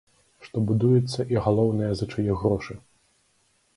Што будуецца і, галоўнае, за чые грошы.